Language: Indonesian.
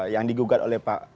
yang digugat oleh pak